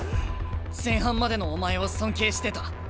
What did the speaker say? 前半までのお前を尊敬してた。